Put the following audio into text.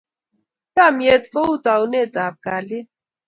Chamet ko taunetap kalyet